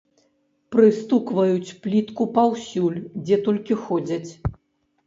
Прыстукваюць плітку паўсюль, дзе толькі ходзяць.